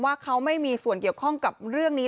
ว่าเขาไม่มีส่วนเกี่ยวข้องกับเรื่องนี้